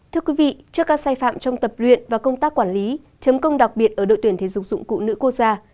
thưa quý vị trước các sai phạm trong tập luyện và công tác quản lý chấm công đặc biệt ở đội tuyển thể dục dụng cụ nữ quốc gia